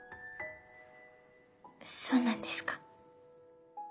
そうなんですか？